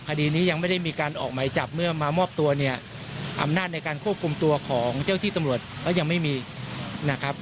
คดีนี้ยังไม่ได้มีการออกหมายจับเมื่อมามอบตัวเนี่ยอำนาจในการควบคุมตัวของเจ้าที่ตำรวจก็ยังไม่มีนะครับ